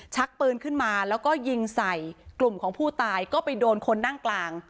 ชักปืนขึ้นมาแล้วก็ยิงใส่กลุ่มของผู้ตายก็ไปโดนคนนั่งกลาง